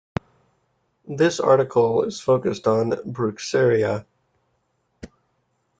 This article is focused on bruixeria.